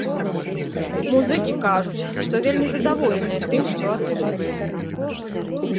Музыкі кажуць, што вельмі задаволеныя тым, што атрымліваецца.